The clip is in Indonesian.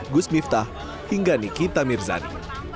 gus miftah hingga nikita mirzani